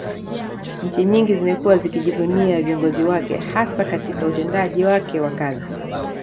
Nchi nyingi zimekuwa zikijivunia viongozi wake hasa Katika utendaji wake wa kazi